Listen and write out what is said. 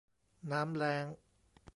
น้ำแล้ง